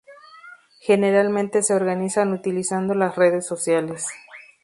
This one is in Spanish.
Generalmente se organizan utilizando las redes sociales.